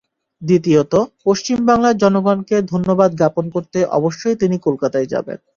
দ্বিতীয়ত, পশ্চিম বাংলার জনগণকে ধন্যবাদ জ্ঞাপন করতে অবশ্যই তিনি কলকাতায় যাবেন।